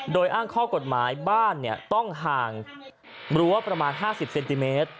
โดยอ้างข้อกฎหมายบ้านต้องห่างรั้วประมาณ๕๐เซนติเมตร